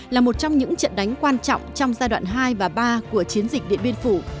là một trong những trận đánh quan trọng trong giai đoạn hai và ba của chiến dịch điện biên phủ